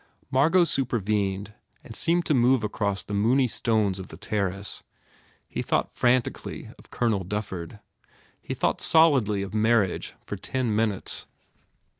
Margot supervened and seemed to move across the moony stones of the terrace. He thought frantically of Colonel Dufford. He THE FAIR REWARDS thought solidly of marriage for ten minutes.